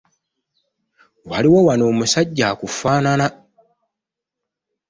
Waliwo wano omusajja akufaanana!